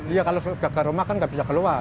iya kalau sudah ke rumah kan nggak bisa keluar